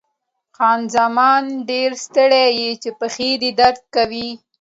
خان زمان: ډېر ستړی یې، چې پښې دې درد کوي؟